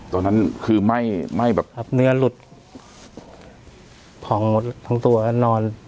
ตัวนั้นคือไหม้ขือไหม้แบบเนื้อหลุดผองหมดทั้งตัวนอน